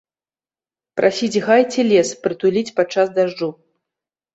Прасіць гай ці лес прытуліць падчас дажджу.